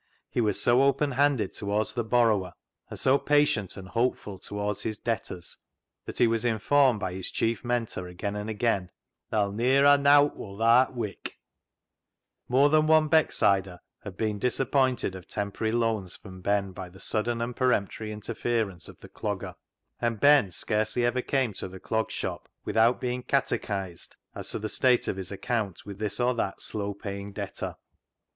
He was so open handed towards the borrower, and so patient and hopeful towards his debtors, that he was informed by his chief mentor again and again, " Tha'll ne'er ha' nowt woll tha'rt wik " (living). More than one Becksider had been dis appointed of temporary loans from Ben by the sudden and peremptory interference of the C logger, and Ben scarcely ever came to the Clog Shop without being catechised as to the state of his account with this or that slow paying debtor.